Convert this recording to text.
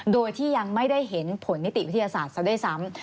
โดยที่ยังไม่ได้เห็นผลนิติวิทยาศาสตร์ซะด้วยซ้ำ